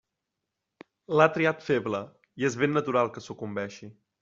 L'ha triat feble; i és ben natural que sucumbeixi.